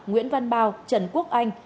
nguyễn văn bao trần quốc anh